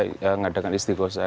ya mengadakan istiqosa